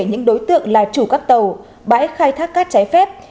những đối tượng là chủ các tàu bãi khai thác cát trái phép